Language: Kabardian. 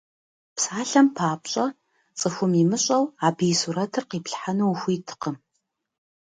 Псалъэм папщӏэ, цӏыхум имыщӏэу, абы и сурэтыр къиплъхьэну ухуиткъым.